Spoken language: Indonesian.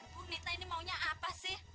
bu nita ini maunya apa sih